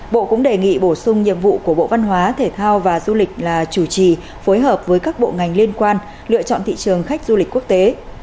bộ cũng đề nghị bổ sung nhiệm vụ của bộ văn hóa thể thao và du lịch là chủ trì phối hợp với các bộ ngành liên quan lựa chọn thị trường khách du lịch quốc tế